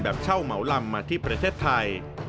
เช่าเหมาลำมาที่ประเทศไทย